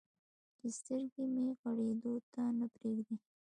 چې سترګې مې غړېدو ته نه پرېږدي.